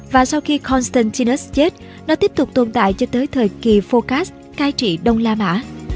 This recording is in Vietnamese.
và sau khi constantinus chết nó tiếp tục tồn tại cho tới thời kỳ phocas cai trị đông la mã